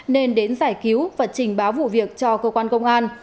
nên đến giải cứu và trình báo vụ việc cho cơ quan công an